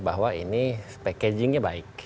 bahwa ini packagingnya baik